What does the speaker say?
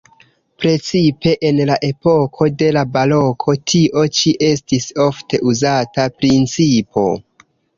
Precipe en la epoko de la baroko tio ĉi estis ofte uzata principo.